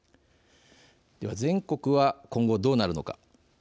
では、全国は今後どうなるのか。